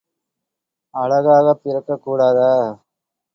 அழகாகப் பிறக்கக் கூடாதா?